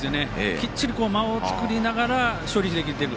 きっちり間を作りながら処理できている。